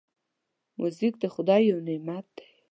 موزیک د خدای یو نعمت دی.